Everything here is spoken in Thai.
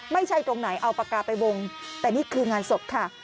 ไม่ใช่ตรงไหนเอาปากกาไปวงแต่นี่คืองานศพค่ะ